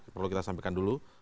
perlu kita sampaikan dulu